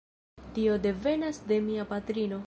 Tio devenas de mia patrino.